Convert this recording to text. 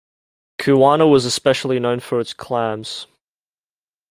Kuwana was especially known for its clams.